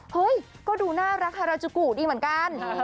เฮ้ยก็ดูน่ารักฮาราจุกุดีเหมือนกัน